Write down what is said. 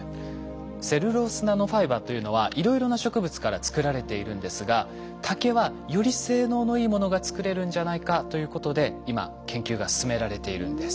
セルロースナノファイバーというのはいろいろな植物から作られているんですが竹はより性能のいいものが作れるんじゃないかということで今研究が進められているんです。